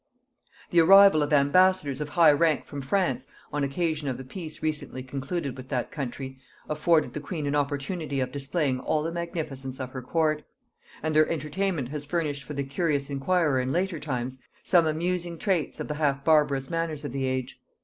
The arrival of ambassadors of high rank from France, on occasion of the peace recently concluded with that country, afforded the queen an opportunity of displaying all the magnificence of her court; and their entertainment has furnished for the curious inquirer in later times some amusing traits of the half barbarous manners of the age.